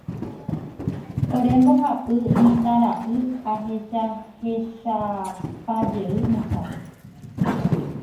ore mbohapy mitãra'y ahechahechapajey mesápe.